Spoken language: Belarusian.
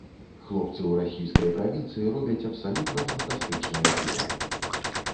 Хлопцы ў расійскай правінцыі робяць абсалютна фантастычнае піва.